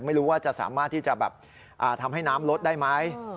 ไม่รู้ว่าจะสามารถที่จะแบบทำให้น้ำลดได้ไหม